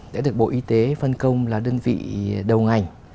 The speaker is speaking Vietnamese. đã được bộ y tế phân công là đơn vị đầu ngành